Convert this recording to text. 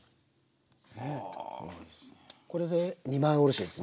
これで二枚おろしですね。